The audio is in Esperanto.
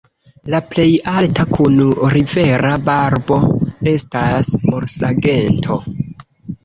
La plej alta, kun rivera barbo, estas borsagento.